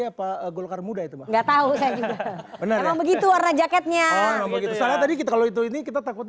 ya memanggas banyakyour